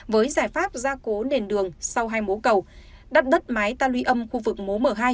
với giải pháp ra cố nền đường sau hai mố cầu đặt đất mái ta luy âm khu vực mố m hai